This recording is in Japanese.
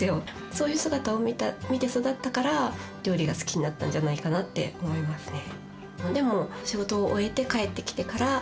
そういう姿を見て育ったから料理が好きになったんじゃないかなって思いますね。